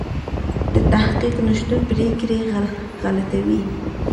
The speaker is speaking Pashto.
د تحقیق نشتون پرېکړې غلطوي.